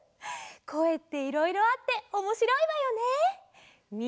こえっていろいろあっておもしろいわよね。